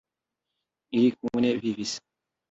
Ili kune vivis.